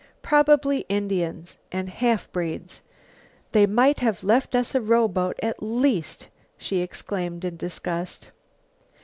Probably Indians and half breeds. They might have left us a rowboat, at least!" she exclaimed in disgust.